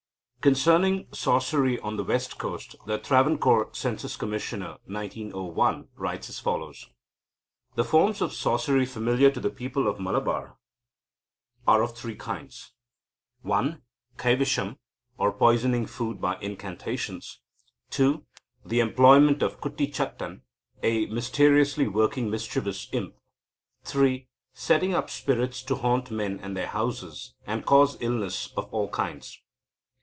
Concerning sorcery on the west coast, the Travancore Census Commissioner, 1901, writes as follows: "The forms of sorcery familiar to the people of Malabar are of three kinds: (1) kaivisham, or poisoning food by incantations; (2) the employment of Kuttichattan, a mysteriously working mischievous imp; (3) setting up spirits to haunt men and their houses, and cause illness of all kinds.